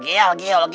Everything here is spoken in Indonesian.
biar dia langsung